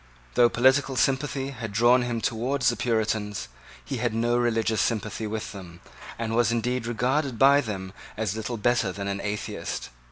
Though political sympathy had drawn him towards the Puritans, he had no religious sympathy with them, and was indeed regarded by them as little better than an atheist.